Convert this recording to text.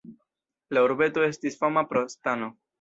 La urbeto estis fama pro stano.